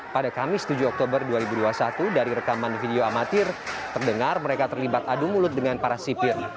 pada kamis tujuh oktober dua ribu dua puluh satu dari rekaman video amatir terdengar mereka terlibat adu mulut dengan para sipir